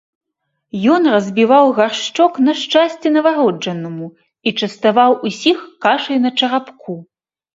Ён разбіваў гаршчок на шчасце нованароджанаму і частаваў усіх кашай на чарапку.